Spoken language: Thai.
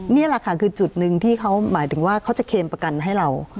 นี่แหละค่ะคือจุดหนึ่งที่เขาหมายถึงว่าเขาจะเคมประกันให้เรา